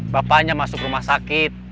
bapaknya masuk rumah sakit